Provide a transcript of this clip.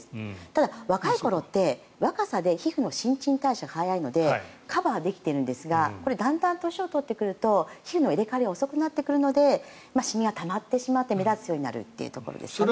ただ、若い頃って若さで肌の新陳代謝が早いのでカバーできてるんですがこれ、だんだん年を取ってくると皮膚の入れ替わりが遅くなってくるのでシミがたまってしまって目立つようになるということですかね。